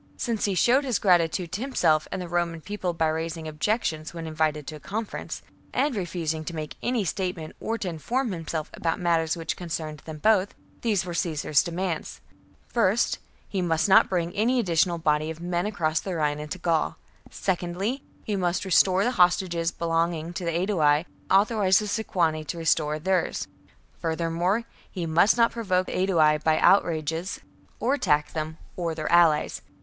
Since he showed his gratitude to himself and the Roman People by raising objections when invited to a conference, and refusing to make any statement or to inform himself about matters which con cerned them both, these were Caesar's demands :— first, he must not bring any additional body of men across the Rhine into Gaul ; secondly, he must restore the hostages belonging to the Aedui, and authorize the Sequani to restore theirs; further more, he must not provoke the Aedui by outrages 2,2 CAMPAIGNS AGAINST THE book 58 B.C. or attack them or their allies.